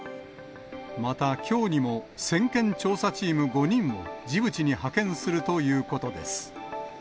またきょうにも先遣調査チーム５人を、ジブチに派遣するということです。